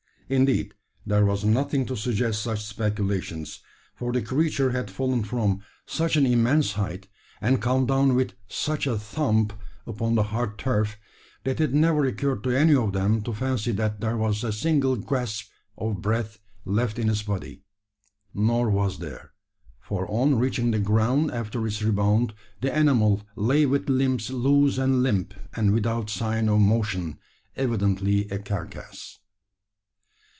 Indeed, there was nothing to suggest such speculations; for the creature had fallen from such an immense height, and come down with "such a thump" upon the hard turf, that it never occurred to any of them to fancy that there was a single gasp of breath left in its body. Nor was there; for on reaching the ground after its rebound, the animal lay with limbs loose and limp, and without sign of motion evidently a carcass.